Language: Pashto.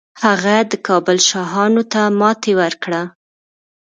هغه د کابل شاهانو ته ماتې ورکړه